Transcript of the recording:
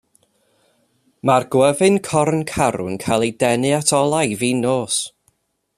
Mae'r gwyfyn corn carw'n cael ei denu at olau, fin nos.